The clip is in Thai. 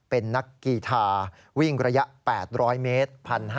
เป็นนักกีธาวิ่งระยะ๘๐๐เมตร